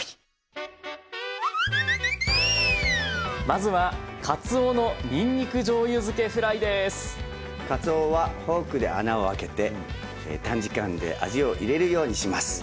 まずはかつおはフォークで穴を開けて短時間で味を入れるようにします。